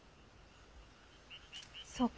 そうか。